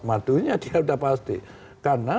madunya dia sudah pasti karena